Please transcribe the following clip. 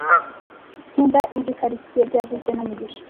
Nkunda izoi quartiers byavuzwe na mugisha